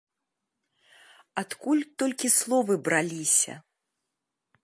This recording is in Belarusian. Адкуль толькі словы браліся!